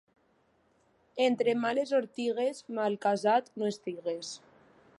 Entre males ortigues, malcasat, no estigues.